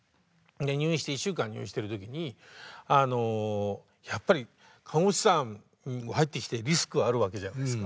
１週間入院してる時にあのやっぱり看護師さん入ってきてリスクあるわけじゃないですか。